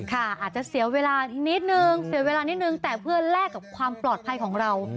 อาจจะเสียเวลานิดนึงเสียเวลานิดนึงแต่เพื่อแลกกับความปลอดภัยของเรา